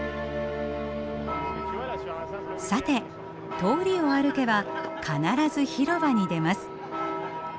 さて通りを歩けば必ず広場に出ます。